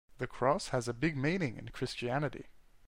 The cross has a big meaning in Christianity.